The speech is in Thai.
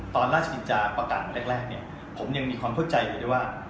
ตอนราชกิจกรรมประกันก่อนแรกเนี่ยผมยังมีความเฆื่อใจว่า